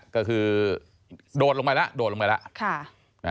ก็คือโดดลงไปแล้วโดดลงไปแล้ว